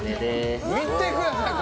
見てください